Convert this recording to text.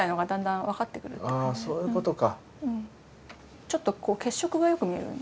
あそういうことか。